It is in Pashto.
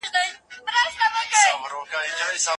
حیات سلطان اوس هم په ملتان کې خپل منصب خوري.